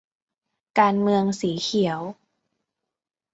การเมืองสีเขียว'